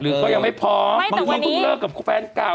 มันก็ยังไม่พร้อมมันก็พึ่งเลิกกับคุณแฟนเก่า